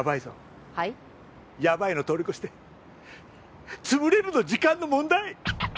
やばいを通り越して潰れるの時間の問題！